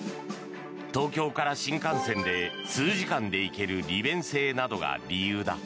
東京から新幹線で数時間で行ける利便性などが理由だ。